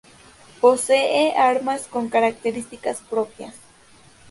Posee armas con características propias.